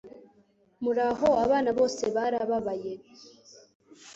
Muraho, abana bose barababaye